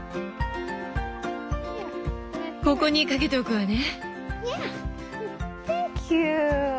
ここに掛けておくわね。